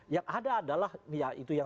yang ada adalah ya itu yang